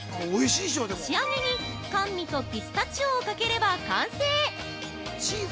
仕上げに甘味とピスタチオをかければ完成！